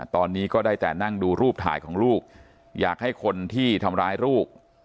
ตอนนี้ก็ได้แต่นั่งดูรูปถ่ายของลูกอยากให้คนที่ทำร้ายลูก